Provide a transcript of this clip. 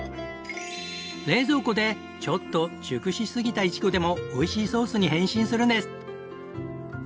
冷蔵庫でちょっと熟しすぎたイチゴでもおいしいソースに変身するんです。